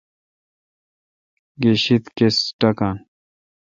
گہ شید کس ٹاکان۔